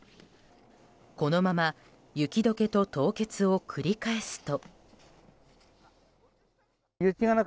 このまま雪解けと凍結を繰り返すと。